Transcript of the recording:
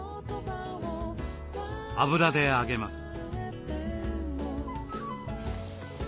油で揚げます。